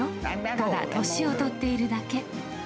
ただ、年を取っているだけ。